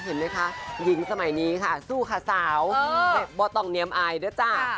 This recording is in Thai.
เห็นไหมคะหญิงสมัยนี้ค่ะสู้ค่ะสาวบอตองเนียมอายด้วยจ้า